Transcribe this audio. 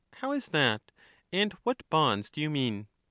How is that, and what bonds do you mean